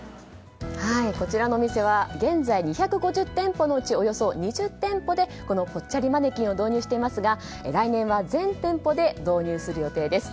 こちらのお店は現在２５０店舗のうちおよそ２０店舗でぽっちゃりマネキンを導入していますが来年は全店舗で導入する予定です。